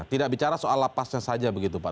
tidak bicara soal lapasnya saja begitu pak